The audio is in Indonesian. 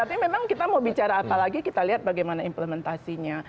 artinya memang kita mau bicara apalagi kita lihat bagaimana implementasinya